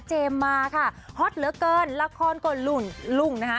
เจมมาค่ะฮอตเหลือเกินลักษณ์ก็ลุ่งนะคะ